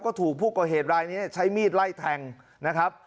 ก็ถูกผู้ก่อเหตุรายนี้ใช้มีดไล่แทงนะครับ